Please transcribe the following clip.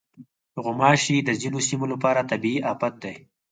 غوماشې د ځینو سیمو لپاره طبعي افت دی.